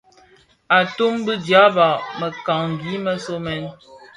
Atum bi dyaba mëkangi më somèn.